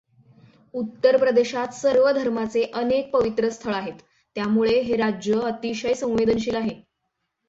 उत्तर प्रदेशात सर्व धर्माचे अनेक पवित्र स्थळ आहे त्यामुळे हे राज्य अतिशय संवेदनशील आहे.